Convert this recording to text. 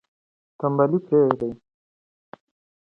تنبلي پریږدئ.